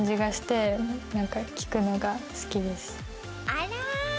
あら。